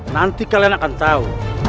nanti kalian akan tahu